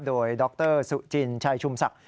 โดยดรสุจินชัยชุมศักดิ